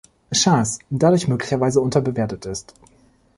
Chance" dadurch möglicherweise unterbewertet ist.